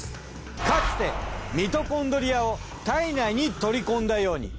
かつてミトコンドリアを体内に取り込んだように。